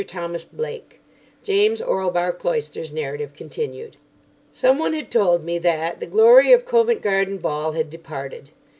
THOMAS BLAKE (James Orlebar Cloyster's narrative continued) Someone had told me that, the glory of Covent Garden Ball had departed.